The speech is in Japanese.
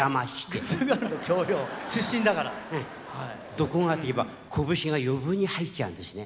どこがって言えばこぶしが余分に入っちゃうんですね。